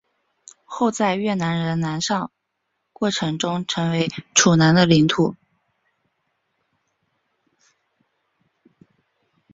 后在越南人南进过程中成为越南的领土。